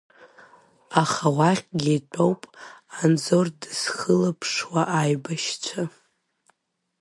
Аха уахьгьы итәоуп Анзор дызхылаԥшуа аибашьцәа.